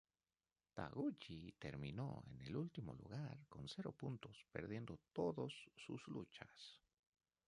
Taguchi terminó en el último lugar con cero puntos, perdiendo todos sus luchas.